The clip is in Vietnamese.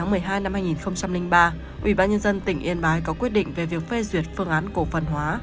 ngày một mươi bảy tháng một mươi hai năm hai nghìn ba ubnd tỉnh yên bái có quyết định về việc phê duyệt phương án cổ phần hóa